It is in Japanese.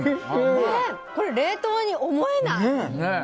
これ、冷凍に思えない！